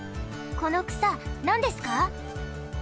この草なんですか？